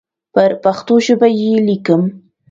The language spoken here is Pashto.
پر پښتو ژبه یې لیکم.